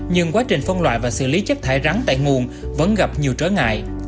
nhưng quá trình phân loại và xử lý chất thải rắn tại nguồn vẫn gặp nhiều trở ngại